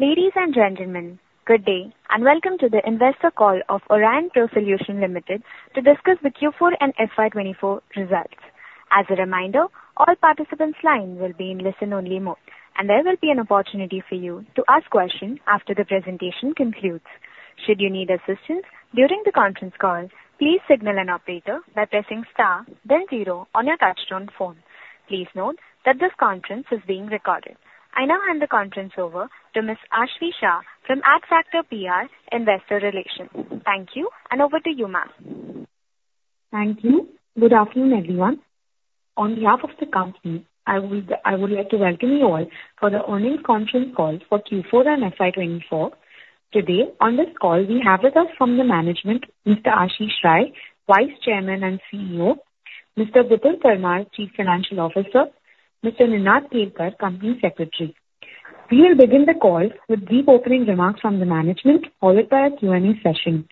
Ladies and gentlemen, good day, and welcome to the Investor Call of Aurionpro Solutions Limited to Discuss the Q4 and FY 2024 Results. As a reminder, all participants' line will be in listen-only mode, and there will be an opportunity for you to ask questions after the presentation concludes. Should you need assistance during the conference call, please signal an operator by pressing star then zero on your touchtone phone. Please note that this conference is being recorded. I now hand the conference over to Ms. Aashvi Shah from Adfactors PR, Investor Relations. Thank you, and over to you, ma'am. Thank you. Good afternoon, everyone. On behalf of the company, I would like to welcome you all for the earnings conference call for Q4 and FY 2024. Today, on this call, we have with us from the management, Mr. Ashish Rai, Vice Chairman and CEO, Mr. Vipul Parmar, Chief Financial Officer, Mr. Ninad Kelkar, Company Secretary. We will begin the call with brief opening remarks from the management, followed by a Q&A session.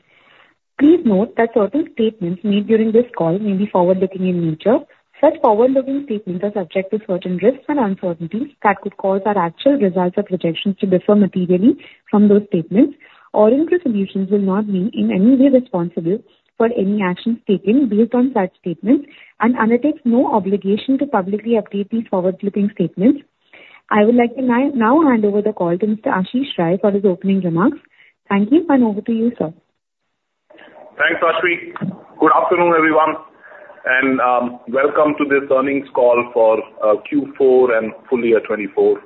Please note that certain statements made during this call may be forward-looking in nature. Such forward-looking statements are subject to certain risks and uncertainties that could cause our actual results or projections to differ materially from those statements. Aurionpro Solutions will not be in any way responsible for any actions taken based on such statements, and undertakes no obligation to publicly update these forward-looking statements. I would like to now hand over the call to Mr. Ashish Rai for his opening remarks. Thank you, and over to you, sir. Thanks, Aashvi. Good afternoon, everyone, and welcome to this earnings call for Q4 and full year 2024.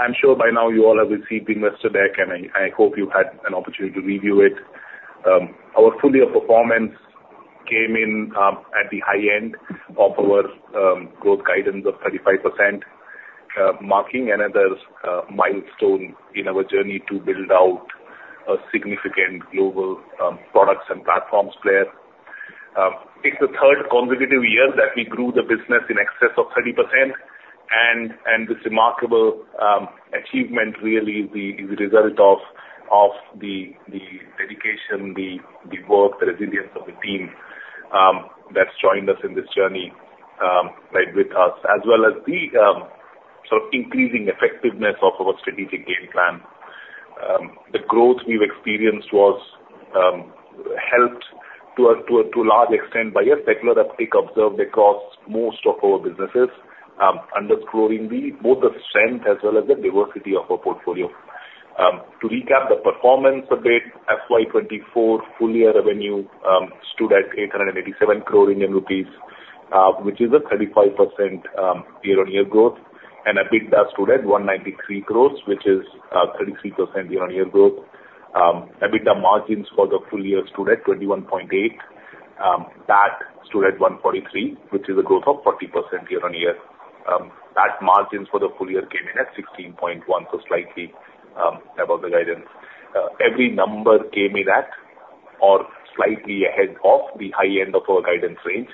I'm sure by now you all have received the investor deck, and I hope you had an opportunity to review it. Our full year performance came in at the high end of our growth guidance of 35%, marking another milestone in our journey to build out a significant global products and platforms player. It's the third consecutive year that we grew the business in excess of 30%, and this remarkable achievement really is the result of the dedication, the work, the resilience of the team that's joined us in this journey right with us, as well as the sort of increasing effectiveness of our strategic game plan. The growth we've experienced was helped to a large extent by a secular uptick observed across most of our businesses, underscoring both the strength as well as the diversity of our portfolio. To recap the performance a bit, FY 2024 full year revenue stood at 887 crore Indian rupees, which is a 35% year-on-year growth, and EBITDA stood at 193 crore, which is 33% year-on-year growth. EBITDA margins for the full year stood at 21.8%. PAT stood at 143 crore, which is a growth of 40% year-on-year. PAT margins for the full year came in at 16.1%, so slightly above the guidance. Every number came in at or slightly ahead of the high end of our guidance range.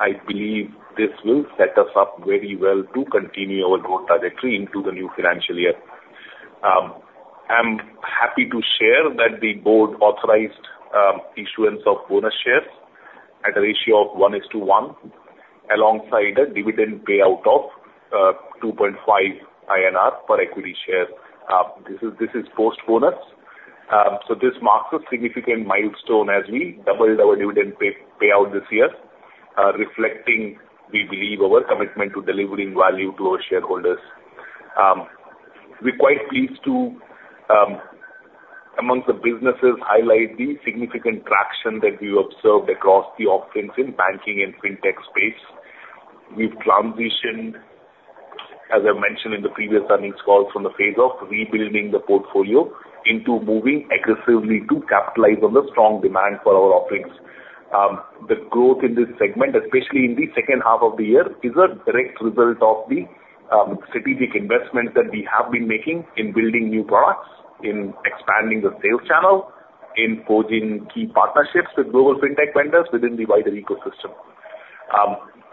I believe this will set us up very well to continue our growth trajectory into the new financial year. I'm happy to share that the board authorized issuance of bonus shares at a ratio of 1:1, alongside a dividend payout of 2.5 INR per equity share. This is post bonus. This marks a significant milestone as we doubled our dividend payout this year, reflecting, we believe, our commitment to delivering value to our shareholders. We're quite pleased to, amongst the businesses, highlight the significant traction that we observed across the offerings in banking and fintech space. We've transitioned, as I mentioned in the previous earnings call, from the phase of rebuilding the portfolio into moving aggressively to capitalize on the strong demand for our offerings. The growth in this segment, especially in the second half of the year, is a direct result of the strategic investments that we have been making in building new products, in expanding the sales channel, in forging key partnerships with global fintech vendors within the wider ecosystem.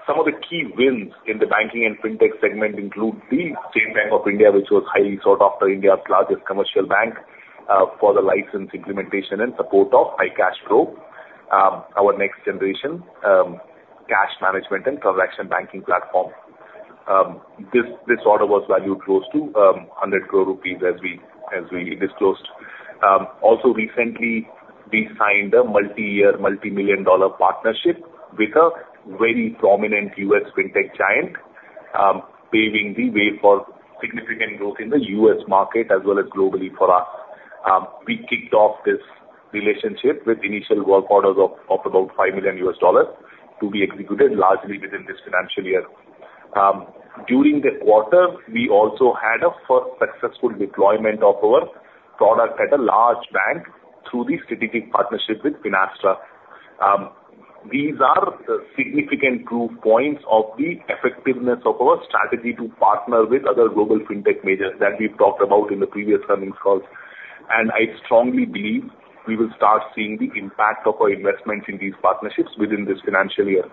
Some of the key wins in the banking and fintech segment include the State Bank of India, which was highly sought after, India's largest commercial bank, for the licensed implementation and support of iCashpro, our next generation cash management and transaction banking platform. This order was valued close to 100 crore rupees, as we disclosed. Also recently, we signed a multi-year, multi-million dollar partnership with a very prominent US fintech giant, paving the way for significant growth in the U.S. market as well as globally for us. We kicked off this relationship with initial work orders of about $5 million to be executed largely within this financial year. During the quarter, we also had a first successful deployment of our product at a large bank through the strategic partnership with Finastra. These are significant proof points of the effectiveness of our strategy to partner with other global fintech majors that we've talked about in the previous earnings calls, and I strongly believe we will start seeing the impact of our investments in these partnerships within this financial year.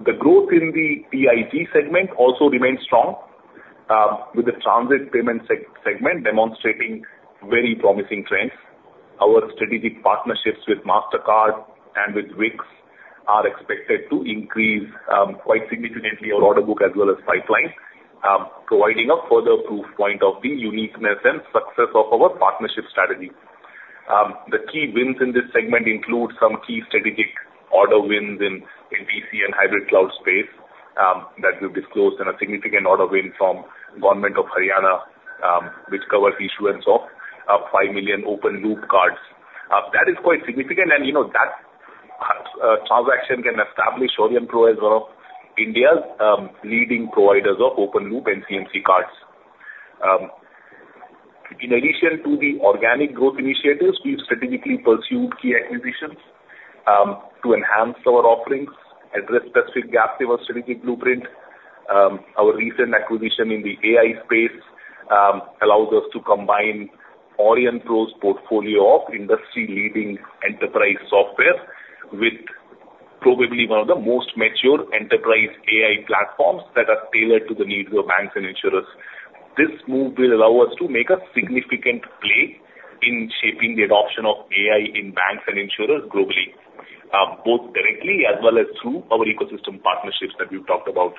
The growth in the TIG segment also remains strong, with the transit payment segment demonstrating very promising trends. Our strategic partnerships with Mastercard and with Web Werks are expected to increase quite significantly our order book as well as pipeline, providing a further proof point of the uniqueness and success of our partnership strategy. The key wins in this segment include some key strategic order wins in DC and hybrid cloud space, that we've disclosed in a significant order win from Government of Haryana, which covers issuance of 5 million open loop cards. That is quite significant, and, you know, that transaction can establish Aurionpro as one of India's leading providers of open loop and NCMC cards. In addition to the organic growth initiatives, we've strategically pursued key acquisitions, to enhance our offerings, address specific gaps in our strategic blueprint. Our recent acquisition in the AI space allows us to combine Aurionpro's portfolio of industry-leading enterprise software with probably one of the most mature enterprise AI platforms that are tailored to the needs of banks and insurers. This move will allow us to make a significant play in shaping the adoption of AI in banks and insurers globally, both directly as well as through our ecosystem partnerships that we've talked about.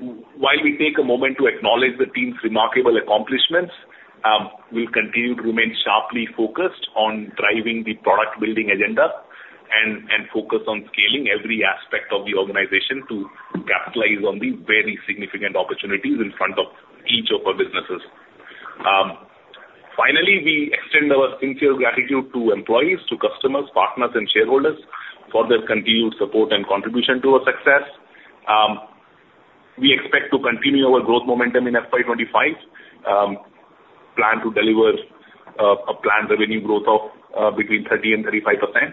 While we take a moment to acknowledge the team's remarkable accomplishments, we'll continue to remain sharply focused on driving the product building agenda and focus on scaling every aspect of the organization to capitalize on the very significant opportunities in front of each of our businesses. Finally, we extend our sincere gratitude to employees, to customers, partners, and shareholders for their continued support and contribution to our success. We expect to continue our growth momentum in FY 2025. Plan to deliver a planned revenue growth of between 30% and 35%,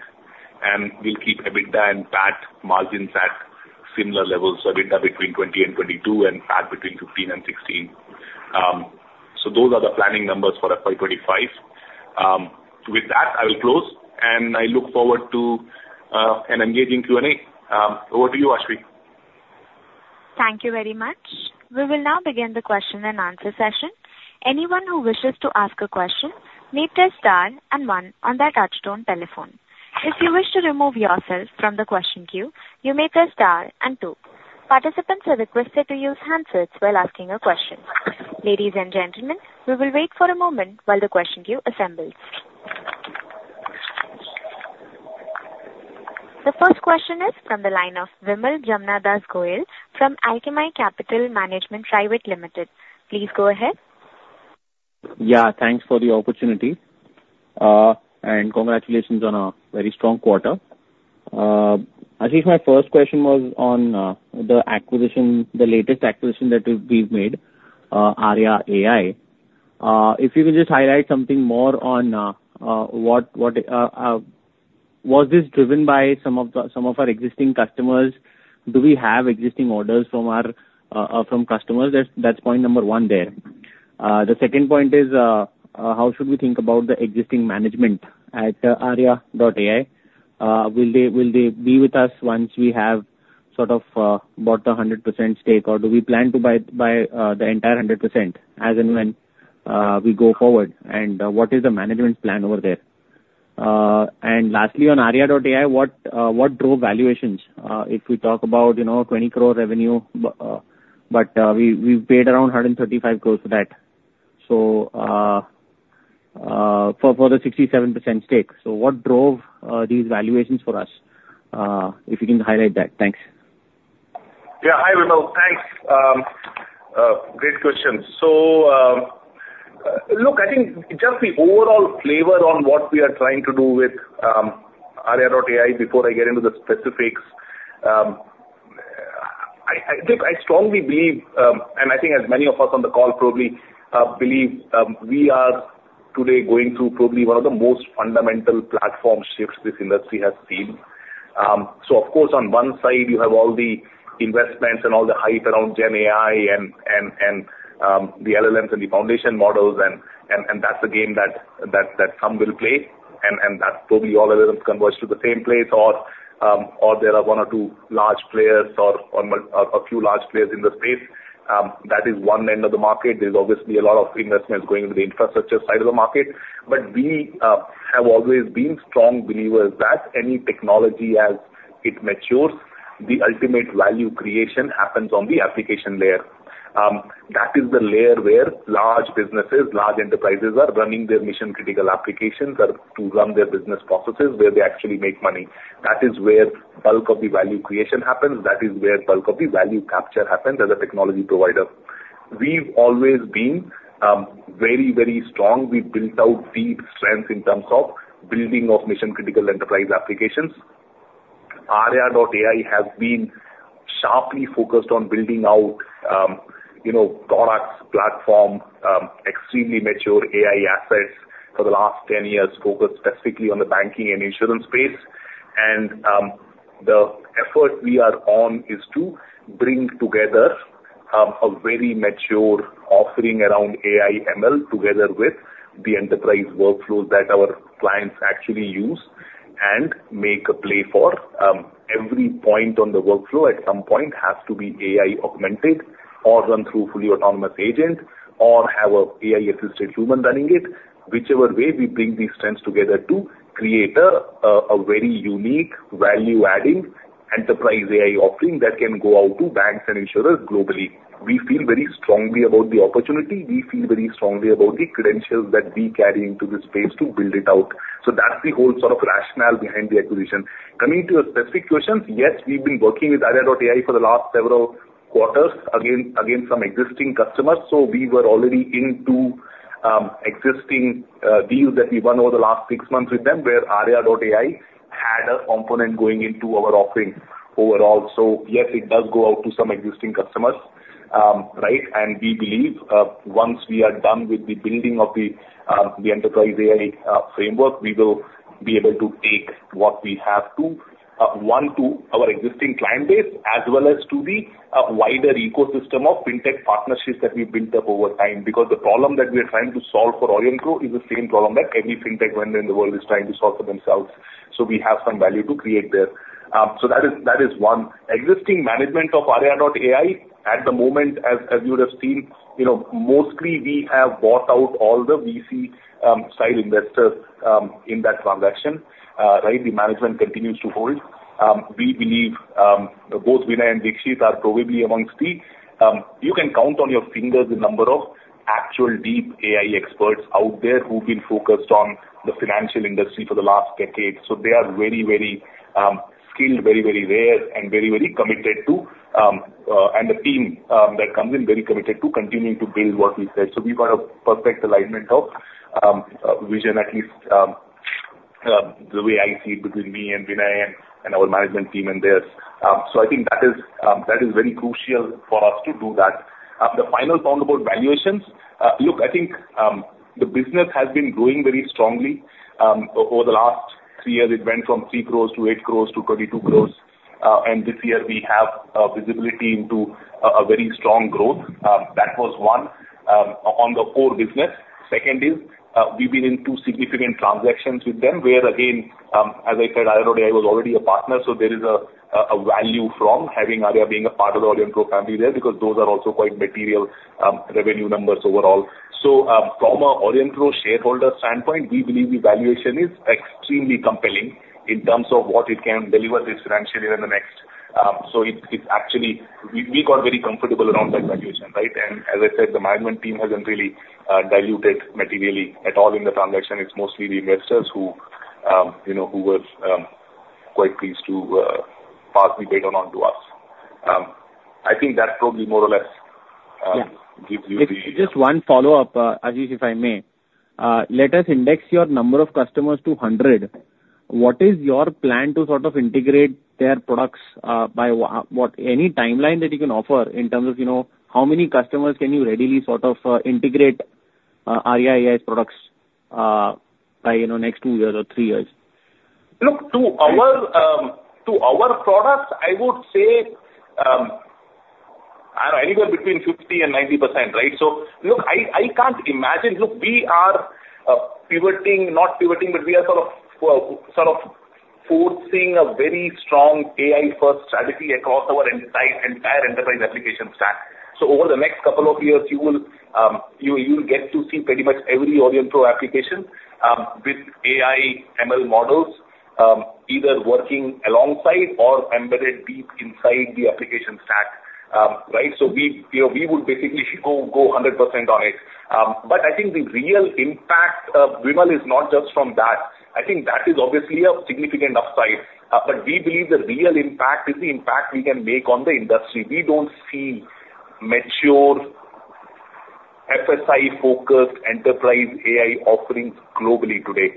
and we'll keep EBITDA and PAT margins at similar levels, so EBITDA between 20% and 22%, and PAT between 15% and 16%. Those are the planning numbers for FY 2025. With that, I will close, and I look forward to an engaging Q&A. Over to you, Aashvi. Thank you very much. We will now begin the question and answer session. Anyone who wishes to ask a question may press star and one on their touchtone telephone. If you wish to remove yourself from the question queue, you may press star and two. Participants are requested to use handsets while asking a question. Ladies and gentlemen, we will wait for a moment while the question queue assembles. The first question is from the line of Vimal Jamnadas Gohil from Alchemy Capital Management Private Limited. Please go ahead. Yeah, thanks for the opportunity, and congratulations on a very strong quarter. I think my first question was on, the acquisition, the latest acquisition that we've, we've made, Arya.ai. If you could just highlight something more on, was this driven by some of the, some of our existing customers? Do we have existing orders from our, from customers? That's, point number one there. The second point is, how should we think about the existing management at Arya.ai? Will they, will they be with us once we have sort of, bought the 100% stake, or do we plan to buy the entire 100% as and when, we go forward? And, what is the management plan over there? And lastly, on Arya.ai, what drove valuations? If we talk about, you know, 20 crore revenue, but we've paid around 135 crore for that. So, for the 67% stake. So what drove these valuations for us? If you can highlight that. Thanks. Yeah. Hi, Vimal. Thanks. Great questions. So, look, I think just the overall flavor on what we are trying to do with Arya.ai, before I get into the specifics, I think I strongly believe, and I think as many of us on the call probably believe, we are today going through probably one of the most fundamental platform shifts this industry has seen. So of course, on one side you have all the investments and all the hype around GenAI and the LLMs and the foundation models, and that's a game that some will play, and that probably all LLMs converge to the same place or there are one or two large players or a few large players in the space. That is one end of the market. There's obviously a lot of investments going into the infrastructure side of the market, but we have always been strong believers that any technology, as it matures, the ultimate value creation happens on the application layer. That is the layer where large businesses, large enterprises are running their mission-critical applications or to run their business processes, where they actually make money. That is where bulk of the value creation happens. That is where bulk of the value capture happens as a technology provider. We've always been very, very strong. We've built out deep strengths in terms of building of mission-critical enterprise applications. Arya.ai has been sharply focused on building out, you know, products, platform, extremely mature AI assets for the last 10 years, focused specifically on the banking and insurance space. The effort we are on is to bring together a very mature offering around AI ML, together with the enterprise workflows that our clients actually use and make a play for every point on the workflow at some point has to be AI-augmented, or run through fully autonomous agent, or have a AI-assisted human running it. Whichever way, we bring these trends together to create a, a very unique value-adding enterprise AI offering that can go out to banks and insurers globally. We feel very strongly about the opportunity. We feel very strongly about the credentials that we carry into this space to build it out. So that's the whole sort of rationale behind the acquisition. Coming to your specific questions, yes, we've been working with Arya.ai for the last several quarters, again, again, some existing customers. So we were already into existing deals that we won over the last six months with them, where Arya.ai had a component going into our offering overall. So yes, it does go out to some existing customers. Right, and we believe, once we are done with the building of the enterprise AI framework, we will be able to take what we have to, to our existing client base, as well as to the wider ecosystem of fintech partnerships that we've built up over time. Because the problem that we are trying to solve for Aurionpro is the same problem that any fintech vendor in the world is trying to solve for themselves. So we have some value to create there. So that is one. Existing management of Arya.ai, at the moment, as you would have seen, you know, mostly we have bought out all the VC style investors in that transaction. Right? The management continues to hold. We believe both Vinay and Deekshith are probably amongst the--you can count on your fingers the number of actual deep AI experts out there who've been focused on the financial industry for the last decade. So they are very, very skilled, very, very rare, and very, very committed to and the team that comes in, very committed to continuing to build what we said. So we've got a perfect alignment of vision, at least the way I see it between me and Vinay and our management team and theirs. So I think that is, that is very crucial for us to do that. The final point about valuations, look, I think, the business has been growing very strongly, over the last three years. It went from 3 crore to 8 crore to 22 crore. And this year we have, visibility into a very strong growth. That was one, on the core business. Second is, we've been in two significant transactions with them, where again, as I said, Arya.ai was already a partner, so there is a value from having Arya.ai being a part of the Aurionpro family there, because those are also quite material, revenue numbers overall. From an Aurionpro shareholder standpoint, we believe the valuation is extremely compelling in terms of what it can deliver this financial year and the next. So it actually. We got very comfortable around that valuation, right? And as I said, the management team hasn't really diluted materially at all in the transaction. It's mostly the investors who, you know, who were quite pleased to pass the baton along to us. I think that probably more or less— Yeah. Gives you the-- Just one follow-up, Ajit, if I may. Let us index your number of customers to 100. What is your plan to sort of integrate their products by what? Any timeline that you can offer in terms of, you know, how many customers can you readily sort of integrate Arya.ai's products by, you know, next two years or three years? Look, to our products, I would say, I don't know, anywhere between 50%-90%, right? So, look, I can't imagine. Look, we are pivoting, not pivoting, but we are sort of, sort of forcing a very strong AI-first strategy across our entire, entire enterprise application stack. So over the next couple of years, you will, you, you'll get to see pretty much every Aurionpro application with AI ML models, either working alongside or embedded deep inside the application stack. Right? So we, you know, we would basically go, go 100% on it. But I think the real impact, Vimal, is not just from that. I think that is obviously a significant upside, but we believe the real impact is the impact we can make on the industry. We don't see mature FSI-focused enterprise AI offerings globally today.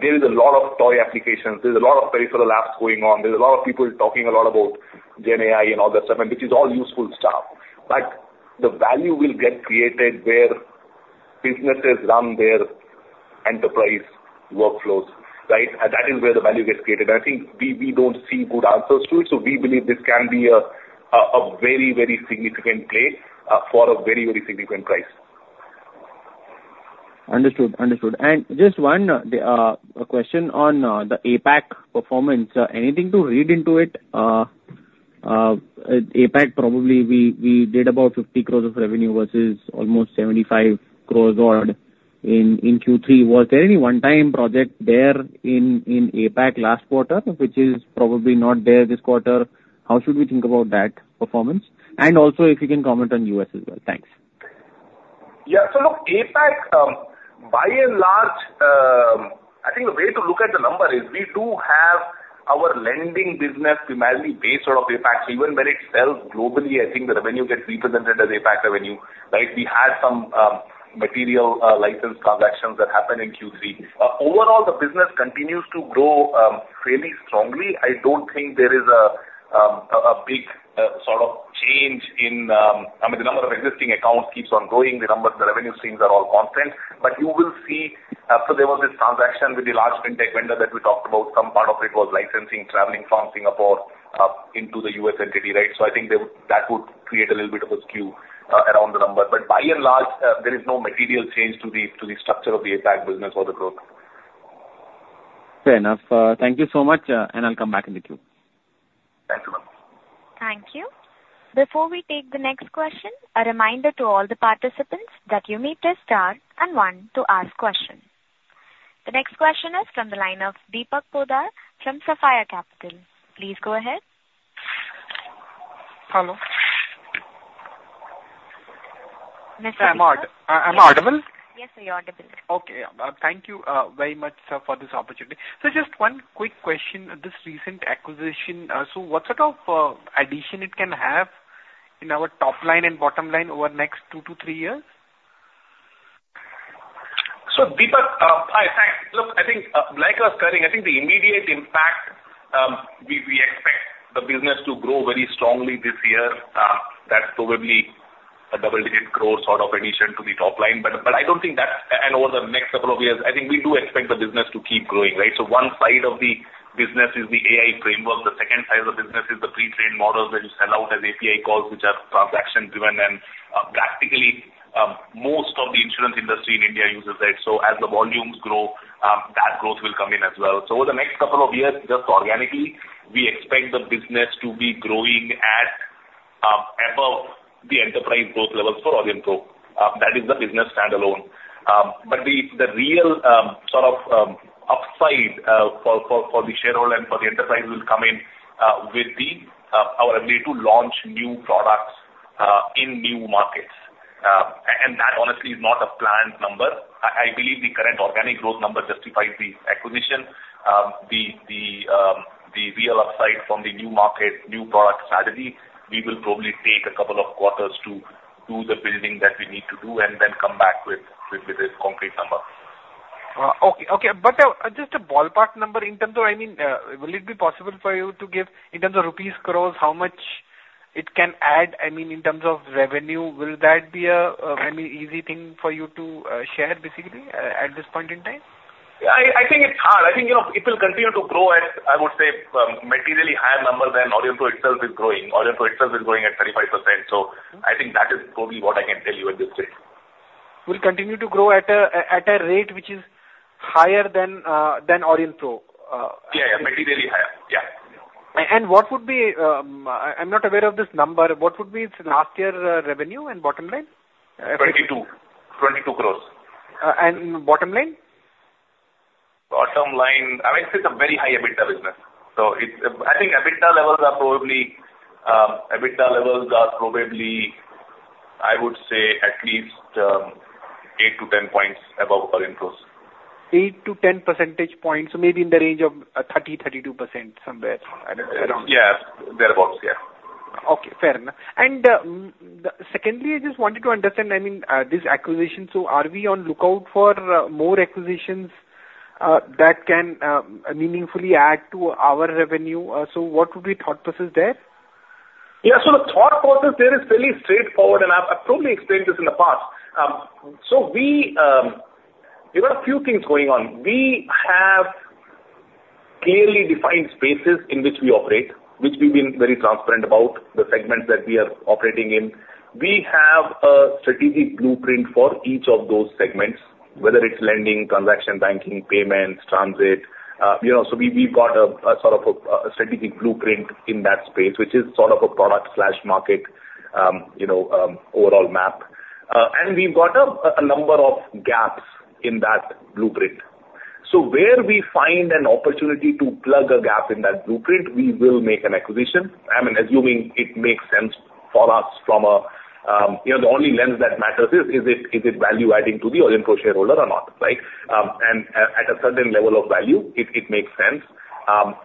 There is a lot of toy applications. There's a lot of peripheral apps going on. There's a lot of people talking a lot about GenAI and all that stuff, and which is all useful stuff. But the value will get created where businesses run their enterprise workflows, right? That is where the value gets created. I think we don't see good answers to it, so we believe this can be a very, very significant play for a very, very significant price. Understood. Just one question on the APAC performance. Anything to read into it? APAC, probably we did about 50 crores of revenue versus almost 75 crores or in Q3. Was there any one-time project there in APAC last quarter, which is probably not there this quarter? How should we think about that performance? And also, if you can comment on U.S. as well. Thanks. Yeah. So look, APAC, by and large, I think the way to look at the number is we do have our lending business primarily based out of APAC. So even when it sells globally, I think the revenue gets represented as APAC revenue, right? We had some material license transactions that happened in Q3. Overall, the business continues to grow fairly strongly. I don't think there is a big sort of change in--I mean, the number of existing accounts keeps on growing. The numbers, the revenue streams are all confident. But you will see, so there was this transaction with the large fintech vendor that we talked about. Some part of it was licensing, traveling from Singapore into the U.S. entity, right? So I think that that would create a little bit of a skew around the number. But by and large, there is no material change to the structure of the APAC business or the growth. Fair enough. Thank you so much, and I'll come back in the queue. Thank you. Thank you. Before we take the next question, a reminder to all the participants that you may press star and one to ask question. The next question is from the line of Deepak Poddar from Sapphire Capital. Please go ahead. Hello? Am I audible? Yes, sir, you're audible. Okay. Thank you very much, sir, for this opportunity. So just one quick question, this recent acquisition, so what sort of addition it can have in our top line and bottom line over the next two to three years? So, Deepak, hi. Look, I think, like I was saying, I think the immediate impact, we, we expect the business to grow very strongly this year. That's probably a double-digit growth sort of addition to the top line. But, I don't think that. And over the next couple of years, I think we do expect the business to keep growing, right? So one side of the business is the AI framework. The second side of the business is the pre-trained models that you sell out as API calls, which are transaction driven, and, practically, most of the insurance industry in India uses it. So as the volumes grow, that growth will come in as well. So over the next couple of years, just organically, we expect the business to be growing at, above the enterprise growth levels for Aurionpro. That is the business standalone. But the real sort of upside for the shareholder and for the enterprise will come in with our ability to launch new products in new markets. And that honestly is not a planned number. I believe the current organic growth number justifies the acquisition. The real upside from the new market, new product strategy, we will probably take a couple of quarters to do the building that we need to do and then come back with a concrete number. Okay, but just a ballpark number in terms of, I mean, will it be possible for you to give, in terms of rupees, crores, how much it can add, I mean, in terms of revenue? Will that be a, I mean, easy thing for you to share basically, at this point in time? Yeah, I, I think it's hard. I think, you know, it will continue to grow at, I would say, materially higher number than Aurionpro itself is growing. Aurionpro itself is growing at 35%, so I think that is probably what I can tell you at this stage. Will continue to grow at a rate which is higher than Aurionpro. Yeah, yeah, materially higher. Yeah. What would be? I'm not aware of this number. What would be its last year revenue and bottom line? 22 crore. Bottom line? Bottom line, I mean, it's a very high EBITDA business, so it's, I think EBITDA levels are probably, EBITDA levels are probably, I would say at least, 8-10 points above Aurionpro's. 8-10 percentage points, so maybe in the range of 30%-32% somewhere around? Yeah, thereabout, yeah. Okay, fair enough. Secondly, I just wanted to understand, I mean, this acquisition, so are we on lookout for more acquisitions that can meaningfully add to our revenue? So what would be thought process there? Yeah, so the thought process there is fairly straightforward, and I've probably explained this in the past. So we, there are a few things going on. We have clearly defined spaces in which we operate, which we've been very transparent about, the segments that we are operating in. We have a strategic blueprint for each of those segments, whether it's lending, transaction banking, payments, transit. You know, so we've got a sort of a strategic blueprint in that space, which is sort of a product/market, you know, overall map. And we've got a number of gaps in that blueprint. So where we find an opportunity to plug a gap in that blueprint, we will make an acquisition. I mean, assuming it makes sense for us from a, you know, the only lens that matters is it value-adding to the Aurionpro shareholder or not, right? And at a certain level of value, it makes sense.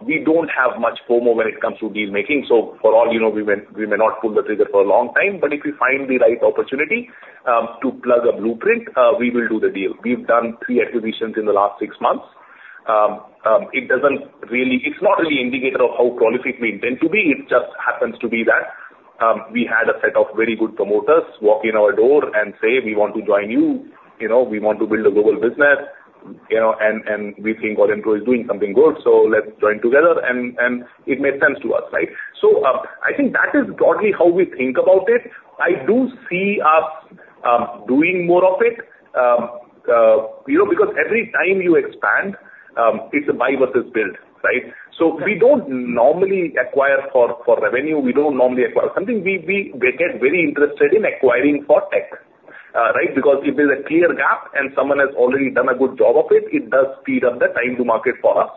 We don't have much FOMO when it comes to deal making, so for all you know, we may, we may not pull the trigger for a long time. But if we find the right opportunity, to plug a blueprint, we will do the deal. We've done three acquisitions in the last six months. It doesn't really. It's not really indicator of how prolific we intend to be. It just happens to be that, we had a set of very good promoters walk in our door and say: "We want to join you. You know, we want to build a global business, you know, and we think Aurionpro is doing something good, so let's join together." And it made sense to us, right? So, I think that is broadly how we think about it. I do see us doing more of it, you know, because every time you expand, it's a buy versus build, right? So we don't normally acquire for revenue. We don't normally acquire. Something we get very interested in acquiring for tech, right? Because if there's a clear gap and someone has already done a good job of it, it does speed up the time to market for us.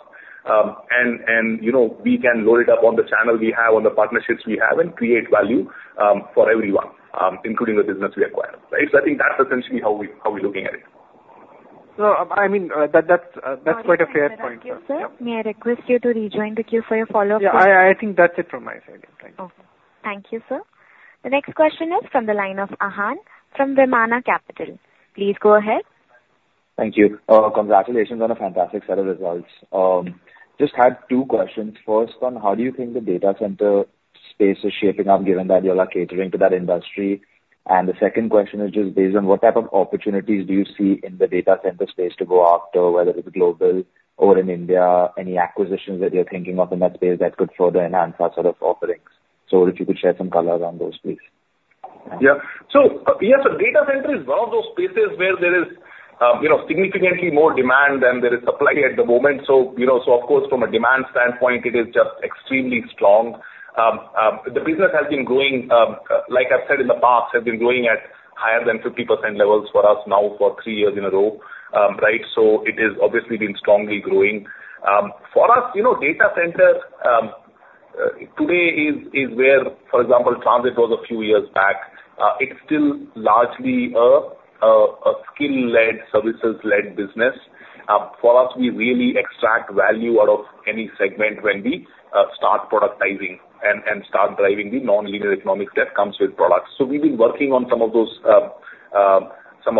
And you know, we can load it up on the channel we have, on the partnerships we have and create value for everyone, including the business we acquire, right? So I think that's essentially how we, how we're looking at it. So, I mean, that's quite a fair point. Sir, may I request you to rejoin the queue for your follow-up? Yeah, I think that's it from my side. Thank you. Okay. Thank you, sir. The next question is from the line of Ahaan from Vimana Capital. Please go ahead. Thank you. Congratulations on a fantastic set of results. Just had two questions. First, on how do you think the data center space is shaping up, given that you all are catering to that industry? And the second question is just based on what type of opportunities do you see in the data center space to go after, whether it's global or in India, any acquisitions that you're thinking of in that space that could further enhance that sort of offerings? So if you could share some color on those, please. Yeah. So, yes, so data center is one of those spaces where there is, you know, significantly more demand than there is supply at the moment. So, you know, so of course, from a demand standpoint, it is just extremely strong. The business has been growing, like I've said in the past, has been growing at higher than 50% levels for us now for three years in a row. Right? So it has obviously been strongly growing. For us, you know, data center, today is where, for example, transit was a few years back. It's still largely a skill-led, services-led business. For us, we really extract value out of any segment when we start productizing and start driving the nonlinear economics that comes with products. So we've been working on some of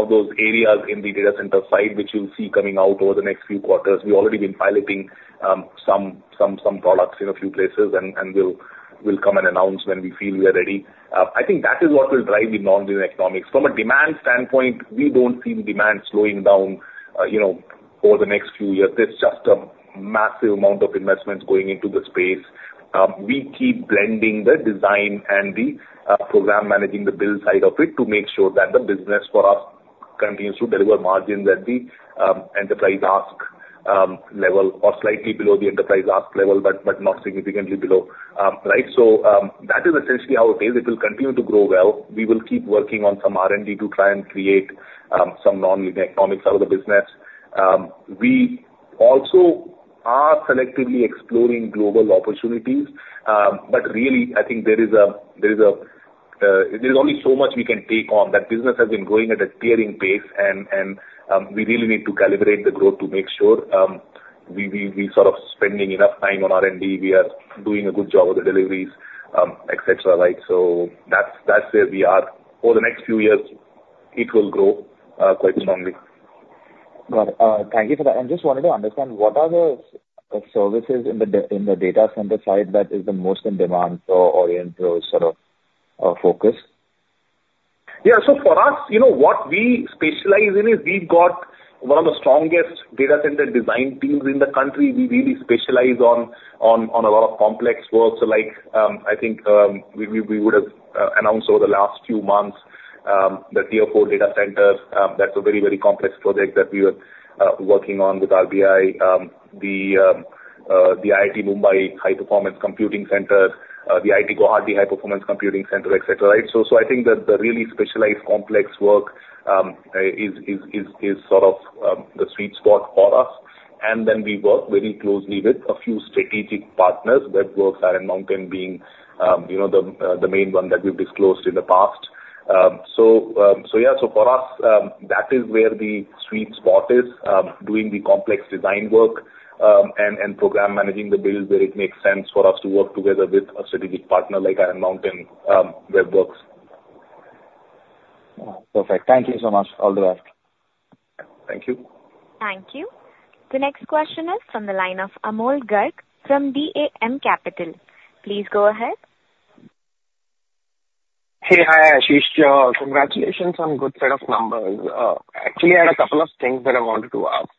those areas in the data center side, which you'll see coming out over the next few quarters. We've already been piloting some products in a few places, and we'll come and announce when we feel we are ready. I think that is what will drive the nonlinear economics. From a demand standpoint, we don't see the demand slowing down, you know, over the next few years. There's just a massive amount of investments going into the space. We keep blending the design and the program managing the build side of it, to make sure that the business for us continues to deliver margins at the enterprise ask level or slightly below the enterprise ask level, but not significantly below. Right? So, that is essentially how it is. It will continue to grow well. We will keep working on some R&D to try and create some non-linear economics out of the business. We also are selectively exploring global opportunities. But really, I think there is a, there's only so much we can take on. That business has been growing at a tearing pace, and we really need to calibrate the growth to make sure we're sort of spending enough time on R&D, we are doing a good job of the deliveries, et cetera, right? So that's, that's where we are. Over the next few years, it will grow quite strongly. Got it. Thank you for that. I just wanted to understand, what are the services in the data center side that is the most in demand or in those sort of focus? Yeah. So for us, you know, what we specialize in is, we've got one of the strongest data center design teams in the country. We really specialize on a lot of complex works, like, I think, we would have announced over the last few months, the Tier 4 data centers. That's a very, very complex project that we are working on with RBI. The IIT Mumbai High Performance Computing Center, the IIT Guwahati High Performance Computing Center, et cetera, right? So, I think that the really specialized complex work is sort of the sweet spot for us. And then we work very closely with a few strategic partners, Web Werks, Iron Mountain being, you know, the main one that we've disclosed in the past. So yeah, for us, that is where the sweet spot is, doing the complex design work, and program managing the build, where it makes sense for us to work together with a strategic partner like Iron Mountain, Web Werks. Perfect. Thank you so much. All the best. Thank you. Thank you. The next question is from the line of Anmol Garg from DAM Capital. Please go ahead. Hey. Hi, Ashish. Congratulations on good set of numbers. Actually, I had a couple of things that I wanted to ask.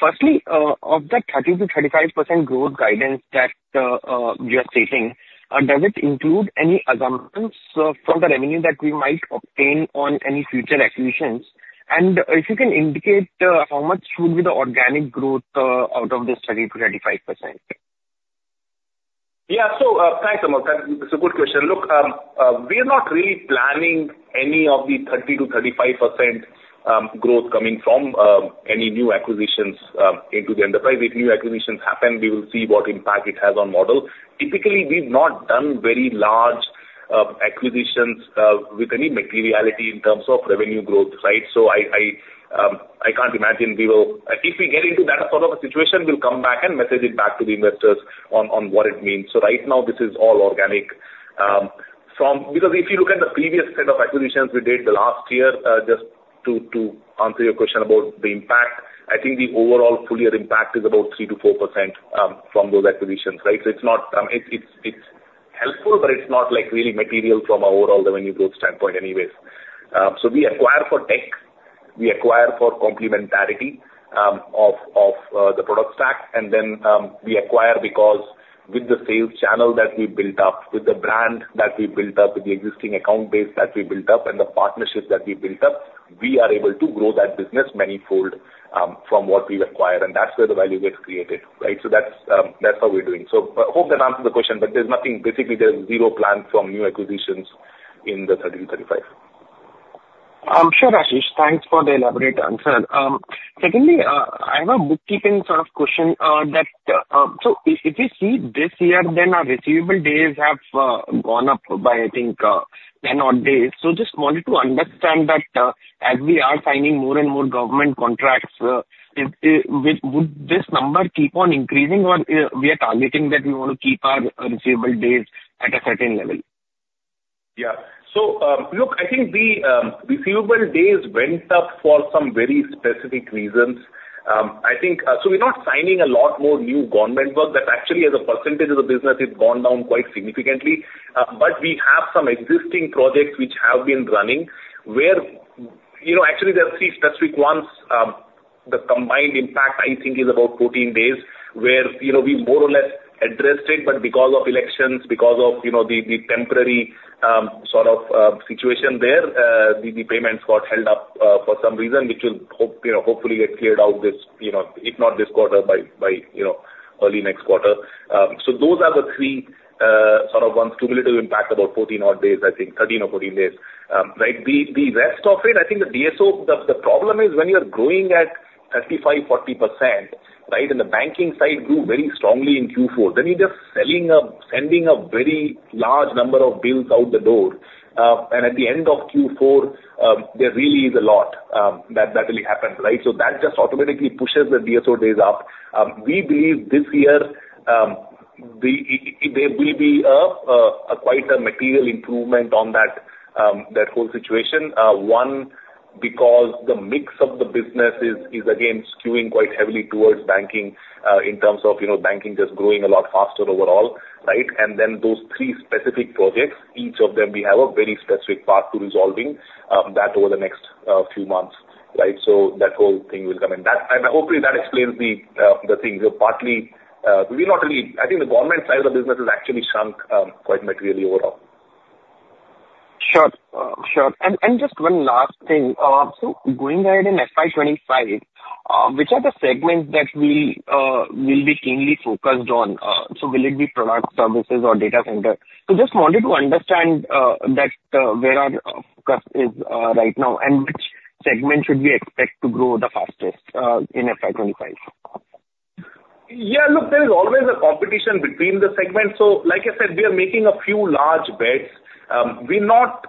Firstly, of the 30%-35% growth guidance that you are stating, does it include any assumptions from the revenue that we might obtain on any future acquisitions? And if you can indicate how much would be the organic growth out of this 30%-35%? Yeah. So, thanks, Anmol. That's a good question. Look, we are not really planning any of the 30%-35% growth coming from any new acquisitions into the enterprise. If new acquisitions happen, we will see what impact it has on model. Typically, we've not done very large acquisitions with any materiality in terms of revenue growth, right? So I, I can't imagine we will--If we get into that sort of a situation, we'll come back and message it back to the investors on what it means. So right now, this is all organic. Because if you look at the previous set of acquisitions we did the last year, just to answer your question about the impact, I think the overall full year impact is about 3%-4% from those acquisitions, right? So it's not, it's helpful, but it's not like really material from our overall revenue growth standpoint anyways. So we acquire for tech, we acquire for complementarity, of the product stack, and then, we acquire because with the sales channel that we built up, with the brand that we built up, with the existing account base that we built up, and the partnerships that we built up, we are able to grow that business manifold, from what we acquire, and that's where the value gets created, right? So that's, that's how we're doing. I hope that answers the question, but there's nothing. Basically, there's zero plans for new acquisitions in the 30%-35%. I'm sure, Ashish. Thanks for the elaborate answer. Secondly, I have a bookkeeping sort of question. So if you see this year, then our receivable days have gone up by, I think, 10 odd days. So just wanted to understand that as we are signing more and more government contracts, would this number keep on increasing, or we are targeting that we want to keep our receivable days at a certain level? Yeah. So, look, I think the receivable days went up for some very specific reasons. I think, so we're not signing a lot more new government work. That actually, as a percentage of the business, has gone down quite significantly. But we have some existing projects which have been running, where, you know, actually there are three specific ones, the combined impact, I think, is about 14 days, where, you know, we more or less addressed it, but because of elections, because of, you know, the, the temporary, sort of, situation there, the, the payments got held up, for some reason, which we hope, you know, hopefully get cleared out this, you know, if not this quarter, by, you know, early next quarter. So those are the three, sort of ones, cumulative impact, about 14 odd days, I think, 13 or 14 days. Right, the rest of it, I think the DSO, the problem is when you are growing at 35%-40%, right, and the banking side grew very strongly in Q4, then you're just selling a, sending a very large number of bills out the door. And at the end of Q4, there really is a lot, that really happens, right? So that just automatically pushes the DSO days up. We believe this year, there will be a quite a material improvement on that, that whole situation. One, because the mix of the business is again, skewing quite heavily towards banking, in terms of, you know, banking just growing a lot faster overall, right? Then those three specific projects, each of them, we have a very specific path to resolving that over the next few months, right? So that whole thing will come in. That, and hopefully, that explains the thing. So partly, we not really-- I think the government side of the business has actually shrunk quite materially overall. Sure, sure. And just one last thing. So going ahead in FY 2025, which are the segments that we will be keenly focused on? So will it be product, services, or data center? So just wanted to understand that, where our focus is right now, and which segment should we expect to grow the fastest in FY 2025? Yeah, look, there is always a competition between the segments. So like I said, we are making a few large bets. We're not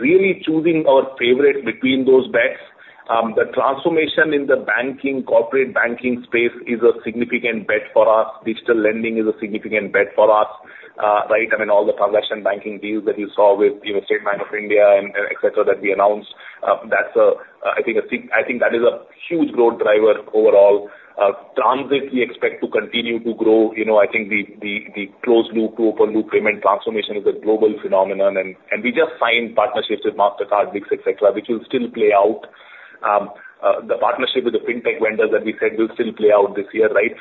really choosing our favorite between those bets. The transformation in the banking, corporate banking space is a significant bet for us. Digital lending is a significant bet for us, right? I mean, all the transaction banking deals that you saw with, you know, State Bank of India and, et cetera, that we announced, that's a, I think a big--I think that is a huge growth driver overall. Transit, we expect to continue to grow. You know, I think the closed loop to open loop payment transformation is a global phenomenon, and we just signed partnerships with Mastercard, Visa, et cetera, which will still play out. The partnership with the fintech vendors that we said will still play out this year, right?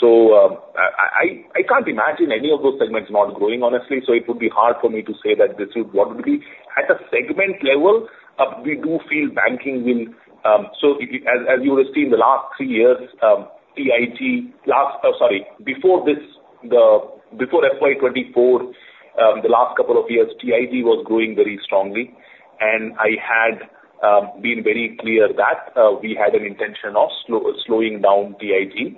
So I can't imagine any of those segments not growing, honestly, so it would be hard for me to say that this is what would be. At a segment level, we do feel banking will, as you would have seen in the last three years before FY 2024, the last couple of years, TIG was growing very strongly. And I had been very clear that we had an intention of slowing down TIG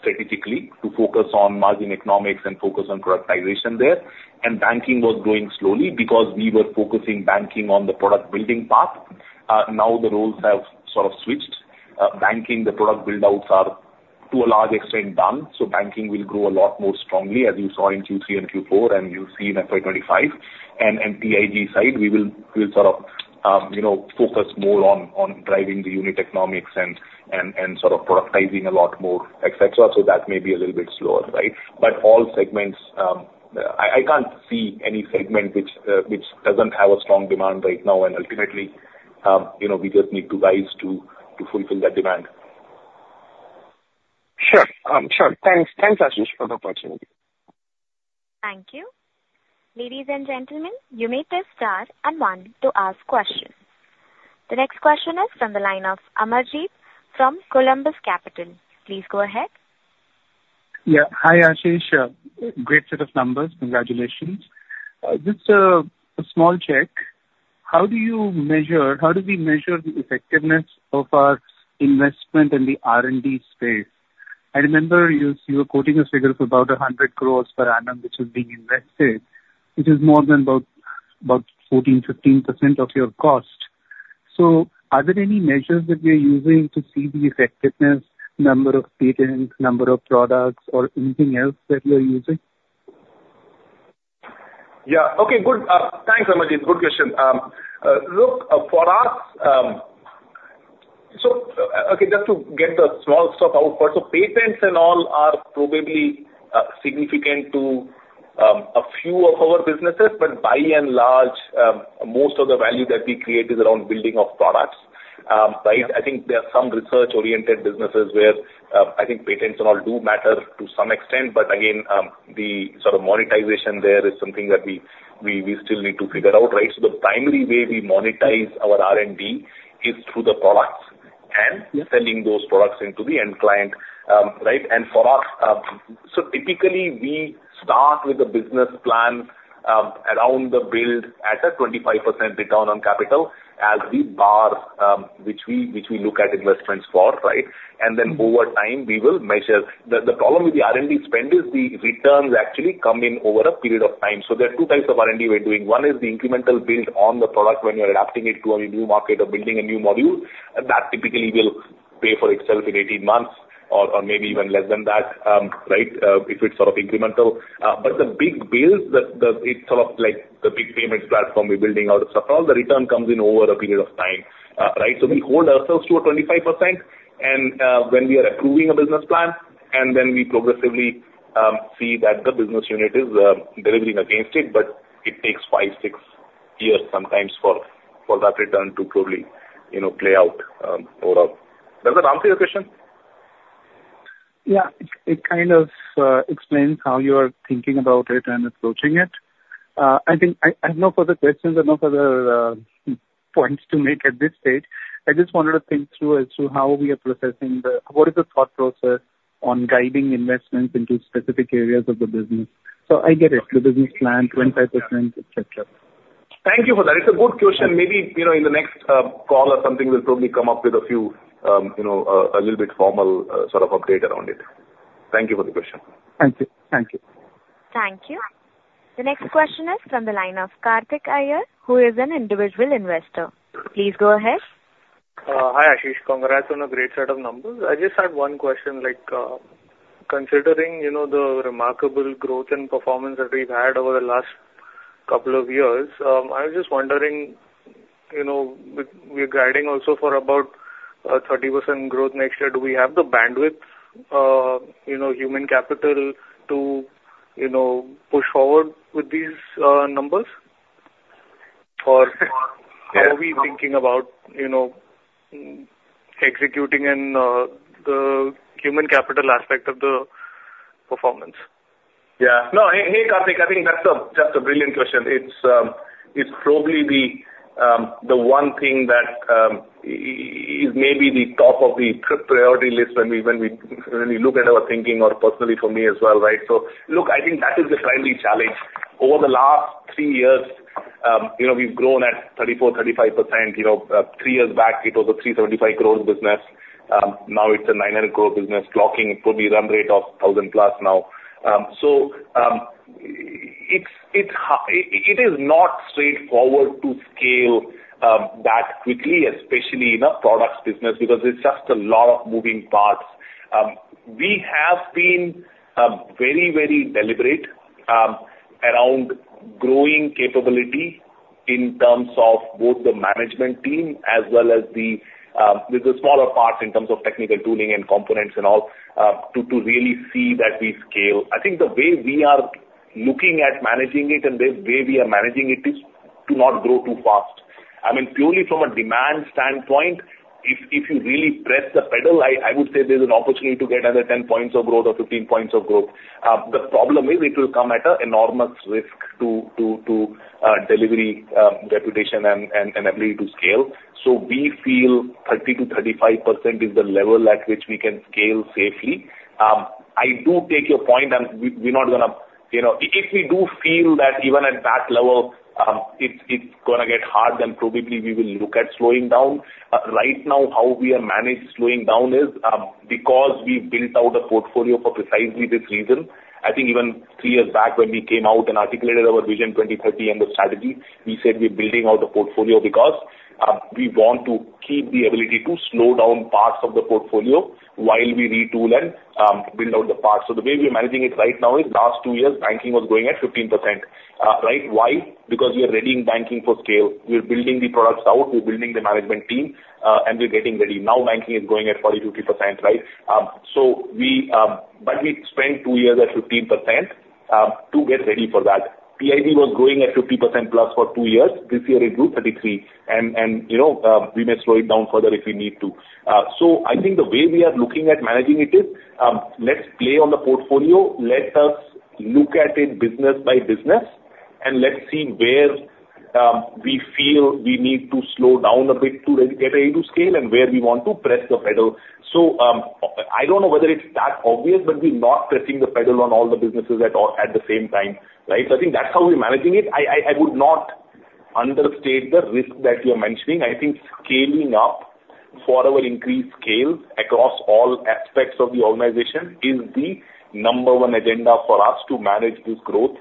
strategically, to focus on margin economics and focus on productization there. And banking was growing slowly because we were focusing banking on the product building path. Now the roles have sort of switched. Banking, the product build outs are, to a large extent, done, so banking will grow a lot more strongly, as you saw in Q3 and Q4, and you'll see in FY 2025. And TIG side, we'll sort of, you know, focus more on driving the unit economics and sort of productizing a lot more, et cetera. So that may be a little bit slower, right? But all segments, I can't see any segment which doesn't have a strong demand right now, and ultimately, you know, we just need to rise to fulfill that demand. Sure. Thanks. Thanks, Ashish, for the opportunity. Thank you. Ladies and gentlemen, you may press star and one to ask questions. The next question is from the line of Amarjeet from Columbus Capital. Please go ahead. Yeah. Hi, Ashish. Great set of numbers. Congratulations. Just a small check. How do you measure. How do we measure the effectiveness of our investment in the R&D space? I remember you, you were quoting a figure of about 100 crore per annum, which is being invested, which is more than about 14%-15% of your cost. So are there any measures that you're using to see the effectiveness, number of patents, number of products, or anything else that you are using? Yeah. Okay, good. Thanks, Amarjeet. Good question. Look, for us. So, okay, just to get the small stuff out first. So patents and all are probably significant to a few of our businesses, but by and large, most of the value that we create is around building of products. Right? I think there are some research-oriented businesses where I think patents and all do matter to some extent, but again, the sort of monetization there is something that we, we, we still need to figure out, right? So the primary way we monetize our R&D is through the products, and we're selling those products into the end client, right? For us, typically we start with a business plan around the build at a 25% return on capital as the bar, which we, which we look at investments for, right? And then over time, we will measure. The problem with the R&D spend is the returns actually come in over a period of time. So there are two types of R&D we're doing. One is the incremental build on the product when you're adapting it to a new market or building a new module, that typically will pay for itself in 18 months or maybe even less than that, right, if it's sort of incremental. But the big bills, it's sort of like the big payments platform we're building out, so all the return comes in over a period of time, right? So we hold ourselves to a 25% and, when we are approving a business plan, and then we progressively see that the business unit is delivering against it, but it takes five-six years sometimes for that return to probably, you know, play out, more of. Does that answer your question? Yeah. It kind of explains how you are thinking about it and approaching it. I think I have no further questions or no further points to make at this stage. I just wanted to think through as to how we are processing the, what is the thought process on guiding investments into specific areas of the business. So I get it, the business plan, 25%, etc. Thank you for that. It's a good question. Maybe, you know, in the next call or something, we'll probably come up with a few, you know, a little bit formal sort of update around it. Thank you for the question. Thank you. Thank you. Thank you. The next question is from the line of Kartik Iyer, who is an individual investor. Please go ahead. Hi, Ashish. Congrats on a great set of numbers. I just had one question, like, considering, you know, the remarkable growth and performance that we've had over the last couple of years, I was just wondering, you know, with we're guiding also for about 30% growth next year, do we have the bandwidth, you know, human capital to, you know, push forward with these numbers? Or how are we thinking about, you know, executing in the human capital aspect of the performance? Yeah. No, hey, hey, Kartik. I think that's just a brilliant question. It's, it's probably the one thing that is maybe the top of the priority list when we look at our thinking or personally for me as well, right? So look, I think that is the primary challenge. Over the last three years, you know, we've grown at 34%-35%. You know, three years back, it was a 375 crore business. Now it's a 900 crore business, clocking probably run rate of 1,000+ now. So, it's, it is not straightforward to scale that quickly, especially in a products business, because it's just a lot of moving parts. We have been very, very deliberate around growing capability in terms of both the management team as well as the with the smaller parts in terms of technical tooling and components and all to really see that we scale. I think the way we are looking at managing it and the way we are managing it is to not grow too fast. I mean, purely from a demand standpoint, if you really press the pedal, I would say there's an opportunity to get another 10 points of growth or 15 points of growth. The problem is it will come at an enormous risk to delivery, reputation and ability to scale. So we feel 30%-35% is the level at which we can scale safely. I do take your point, and we're not gonna--you know, if we do feel that even at that level, it's gonna get hard, then probably we will look at slowing down. Right now, how we are managed slowing down is, because we've built out a portfolio for precisely this reason. I think even three years back, when we came out and articulated our vision 2020, 2030 and the strategy, we said we're building out a portfolio because, we want to keep the ability to slow down parts of the portfolio while we retool and, build out the parts. So the way we are managing it right now is, last two years, banking was growing at 15%. Right? Why? Because we are readying banking for scale. We're building the products out, we're building the management team, and we're getting ready. Now, banking is growing at 42.3%, right? So we but we spent two years at 15% to get ready for that. TIG was growing at +50% for two years. This year it grew 33%. And, you know, we may slow it down further if we need to. So I think the way we are looking at managing it is, let's play on the portfolio, let us look at it business by business, and let's see where we feel we need to slow down a bit to get ready to scale and where we want to press the pedal. So, I don't know whether it's that obvious, but we're not pressing the pedal on all the businesses at all, at the same time, right? So I think that's how we're managing it. I would not understate the risk that you're mentioning. I think scaling up for our increased scale across all aspects of the organization is the number one agenda for us to manage this growth.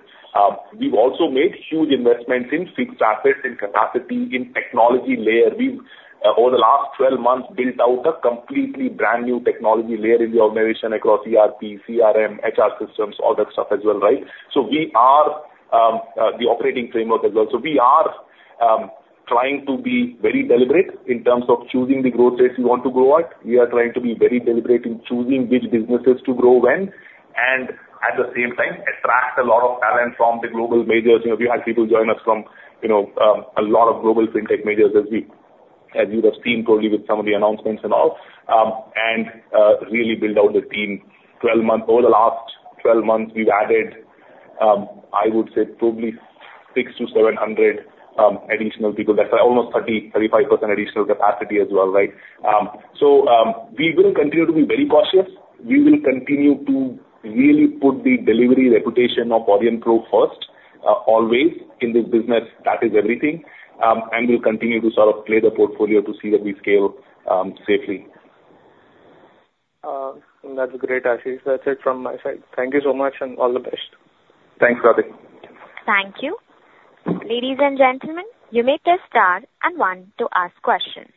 We've also made huge investments in fixed assets, in capacity, in technology layer. We've over the last 12 months, built out a completely brand-new technology layer in the organization across ERP, CRM, HR systems, all that stuff as well, right? So we are the operating framework as well. So we are trying to be very deliberate in terms of choosing the growth rates we want to grow at. We are trying to be very deliberate in choosing which businesses to grow when, and at the same time, attract a lot of talent from the global majors. You know, we have people join us from, you know, a lot of global fintech majors, as you would have seen probably with some of the announcements and all, and really build out the team. Over the last 12 months, we've added, I would say probably 600-700 additional people. That's almost 30%-35% additional capacity as well, right? So, we will continue to be very cautious. We will continue to really put the delivery reputation of Aurionpro first. Always in this business, that is everything. And we'll continue to sort of play the portfolio to see that we scale safely. That's great, Ashish. That's it from my side. Thank you so much, and all the best. Thanks, Ravi. Thank you. Ladies and gentlemen, you may press star and one to ask questions.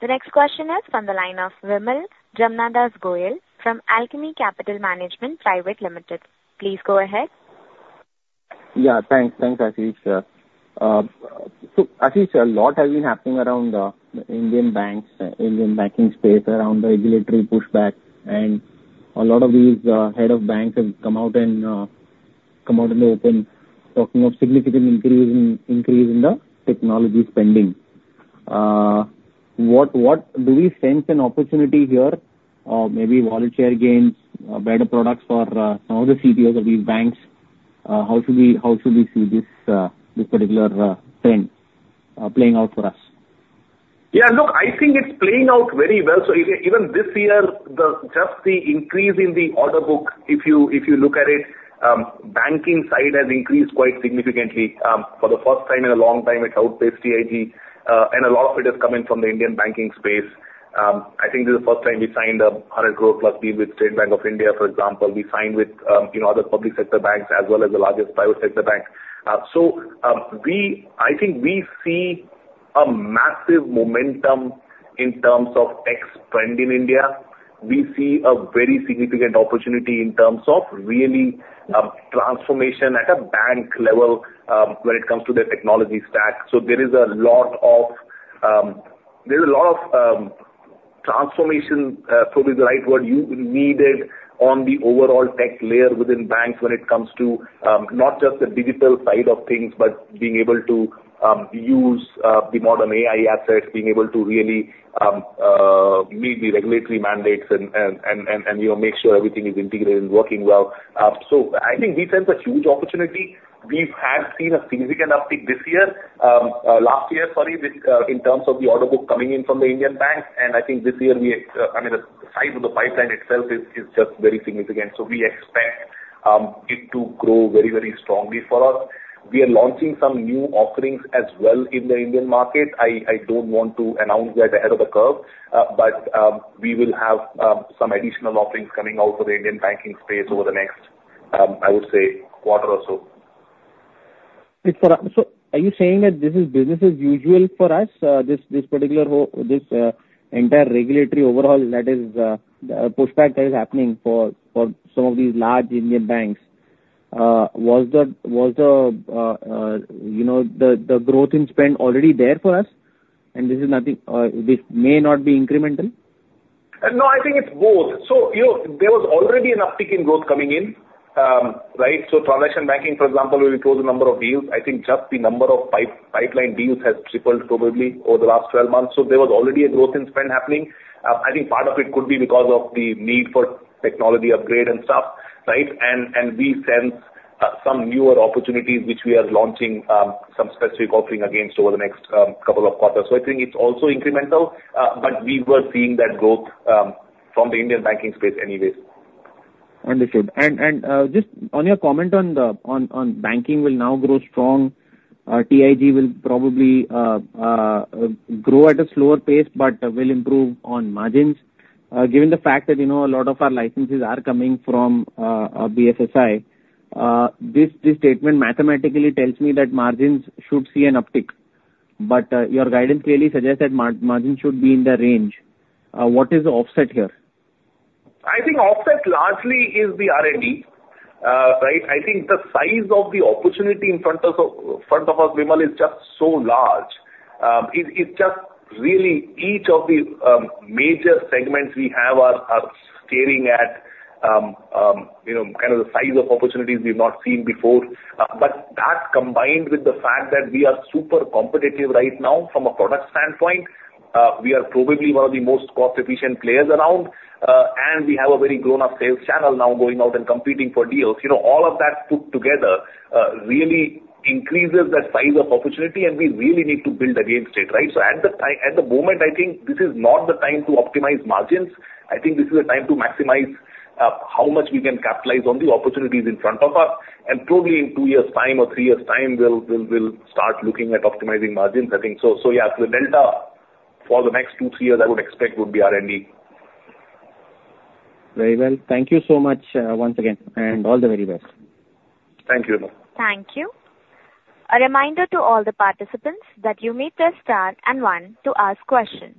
The next question is from the line of Vimal Jamnadas Gohil from Alchemy Capital Management Private Limited. Please go ahead. Yeah, thanks. Thanks, Ashish. So Ashish, a lot has been happening around the Indian banks, Indian banking space, around the regulatory pushback. And a lot of these head of banks have come out and come out in the open, talking of significant increase in the technology spending. What do we sense an opportunity here, or maybe wallet share gains, or better products for some of the CBOs of these banks? How should we see this particular trend playing out for us? Yeah, look, I think it's playing out very well. So even this year, just the increase in the order book, if you look at it, banking side has increased quite significantly, for the first time in a long time, it outpaced TIG, and a lot of it is coming from the Indian banking space. I think this is the first time we signed a 100 crore+ deal with State Bank of India, for example. We signed with, you know, other public sector banks, as well as the largest private sector bank. So, I think we see a massive momentum in terms of capex spend in India. We see a very significant opportunity in terms of really, transformation at a bank level, when it comes to their technology stack. So there is a lot of, there's a lot of, transformation, probably the right word, you needed on the overall tech layer within banks when it comes to, not just the digital side of things, but being able to, use, the modern AI assets, being able to really, meet the regulatory mandates and, you know, make sure everything is integrated and working well. So I think we sense a huge opportunity. We have seen a significant uptick this year, last year, sorry, with, in terms of the order book coming in from the Indian banks. And I think this year we, I mean, the size of the pipeline itself is just very significant. So we expect, it to grow very, very strongly for us. We are launching some new offerings as well in the Indian market. I don't want to announce that ahead of the curve, but we will have some additional offerings coming out for the Indian banking space over the next, I would say, quarter or so. So are you saying that this is business as usual for us? This particular entire regulatory overhaul that is pushback that is happening for some of these large Indian banks. Was the you know the growth in spend already there for us, and this is nothing, this may not be incremental? No, I think it's both. So, you know, there was already an uptick in growth coming in, right? So transaction banking, for example, we grew the number of deals. I think just the number of pipeline deals has tripled, probably, over the last 12 months. So there was already a growth in spend happening. I think part of it could be because of the need for technology upgrade and stuff, right? And we sense some newer opportunities, which we are launching some specific offering against over the next couple of quarters. So I think it's also incremental, but we were seeing that growth from the Indian banking space anyways. Understood. Just on your comment on the banking will now grow strong, TIG will probably grow at a slower pace, but will improve on margins. Given the fact that, you know, a lot of our licenses are coming from BFSI, this statement mathematically tells me that margins should see an uptick. But your guidance clearly suggests that margins should be in the range. What is the offset here? I think offset largely is the R&D, right? I think the size of the opportunity in front of us, Vimal, is just so large. It just really each of the major segments we have are staring at, you know, kind of the size of opportunities we've not seen before. But that, combined with the fact that we are super competitive right now from a product standpoint, we are probably one of the most cost-efficient players around, and we have a very grown-up sales channel now going out and competing for deals. You know, all of that put together really increases the size of opportunity, and we really need to build against it, right? So at the moment, I think this is not the time to optimize margins. I think this is a time to maximize how much we can capitalize on the opportunities in front of us. And probably in two years' time or three years' time, we'll start looking at optimizing margins. I think so, so yeah, the delta for the next two, three years I would expect would be R&D. Very well. Thank you so much, once again, and all the very best. Thank you, Vimal. Thank you. A reminder to all the participants that you may press star and one to ask questions.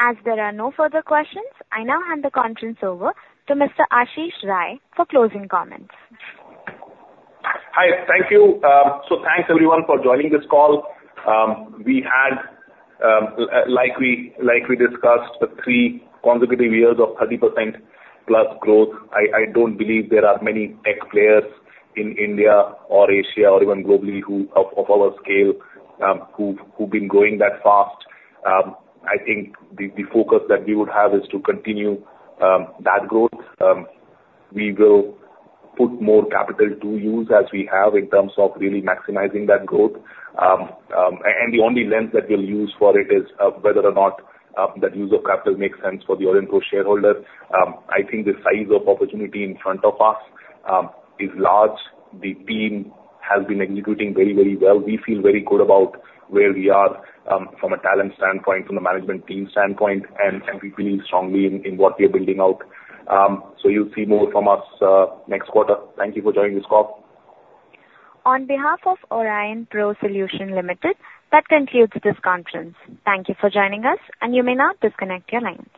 As there are no further questions, I now hand the conference over to Mr. Ashish Rai for closing comments. Hi, thank you. So thanks, everyone, for joining this call. We had, like we discussed, three consecutive years of +30% growth. I don't believe there are many tech players in India or Asia or even globally, who, of our scale, who've been growing that fast. I think the focus that we would have is to continue that growth. We will put more capital to use as we have in terms of really maximizing that growth. And the only lens that we'll use for it is whether or not that use of capital makes sense for the Aurionpro shareholder. I think the size of opportunity in front of us is large. The team has been executing very, very well. We feel very good about where we are, from a talent standpoint, from a management team standpoint, and we believe strongly in what we are building out. So you'll see more from us, next quarter. Thank you for joining this call. On behalf of Aurionpro Solutions Limited, that concludes this conference. Thank you for joining us, and you may now disconnect your lines.